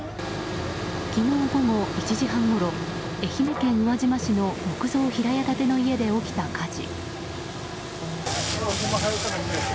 昨日午後１時半ごろ愛媛県宇和島市の木造平屋建ての家で起きた火事。